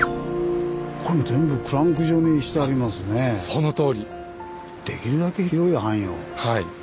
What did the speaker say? そのとおり。